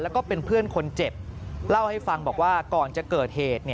แล้วก็เป็นเพื่อนคนเจ็บเล่าให้ฟังบอกว่าก่อนจะเกิดเหตุ